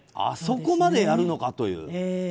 あそこまでやるのかという。